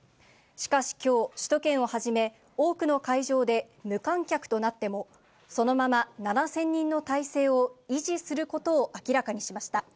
しかしきょう、首都圏をはじめ、多くの会場で無観客となっても、そのまま７０００人の体制を維持することを明らかにしました。